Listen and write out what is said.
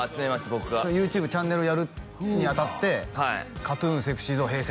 僕がＹｏｕＴｕｂｅチャンネルやるにあたってＫＡＴ−ＴＵＮＳｅｘｙＺｏｎｅＨｅｙ！